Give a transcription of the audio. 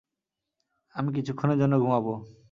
আমি কিছুক্ষণের জন্য ঘুমাবো।